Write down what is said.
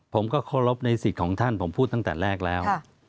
ผมก็เคารพในสิทธิ์ของท่านผมพูดตั้งแต่แรกแล้ว